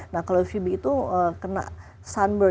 nah kalau uvb itu kena sunburn